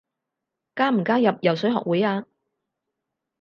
加唔加入游水學會啊？